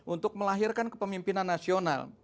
untuk melahirkan kepemimpinan nasional